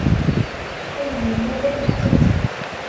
Aydi n Yuba yebded.